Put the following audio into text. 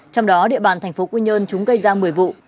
trong đó địa bàn tp quy nhơn chúng gây ra một mươi vụ